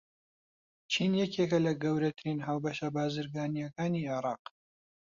چین یەکێکە لە گەورەترین هاوبەشە بازرگانییەکانی عێراق.